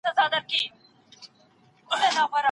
د ډنډ ترڅنګ به د ږدن او مڼې ځای ړنګ سي.